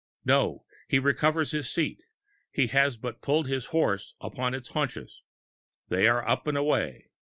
No, he recovers his seat; he has but pulled his horse upon its haunches. They are up and away!